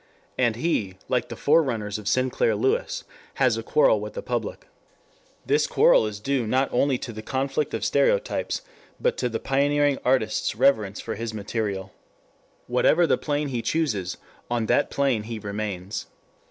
And he, like the forerunners of Sinclair Lewis, has a quarrel with the public. This quarrel is due not only to the conflict of stereotypes, but to the pioneering artist's reverence for his material. Whatever the plane he chooses, on that plane he remains.